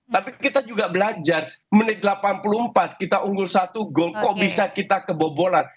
tapi kita juga belajar menit delapan puluh empat kita unggul satu gol kok bisa kita kebobolan